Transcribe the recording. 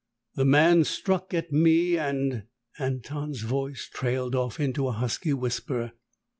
The man struck at me and " Anton's voice trailed off into a husky whisper.